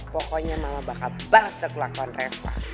pokoknya mama bakal bales dari kelakuan reva